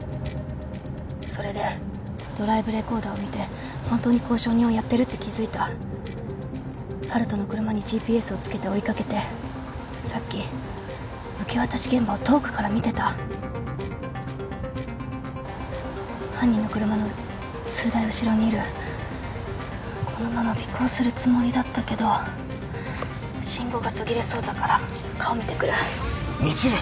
それでドライブレコーダーを見て本当に交渉人をやってるって気づいた温人の車にＧＰＳをつけて追いかけてさっき受け渡し現場を遠くから見てた犯人の車の数台後ろにいるこのまま尾行するつもりだったけど☎信号が途切れそうだから顔見てくる未知留！